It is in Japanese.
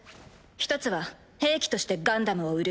１つは兵器としてガンダムを売る。